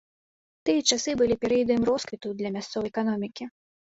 Тыя часы былі перыядам росквіту для мясцовай эканомікі.